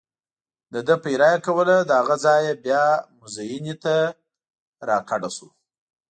دده پیره یې کوله، له هغه ځایه بیا مزینې ته را کډه شو.